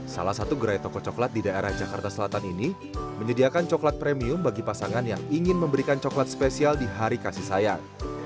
salah satu gerai toko coklat di daerah jakarta selatan ini menyediakan coklat premium bagi pasangan yang ingin memberikan coklat spesial di hari kasih sayang